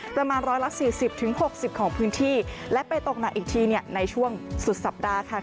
ประมาณร้อยละ๔๐๖๐ของพื้นที่และไปตกหนักอีกทีเนี่ยในช่วงสุดสัปดาห์ค่ะ